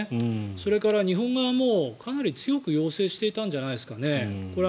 それから、日本側もかなり強く要請していたんじゃないですかね。